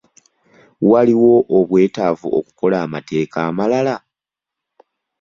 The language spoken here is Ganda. Waliwo obwetaavu okukola amateeka amalala?